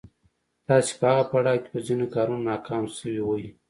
تاسې په هغه پړاو کې په ځينو کارونو ناکام شوي وئ.